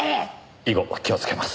以後気をつけます。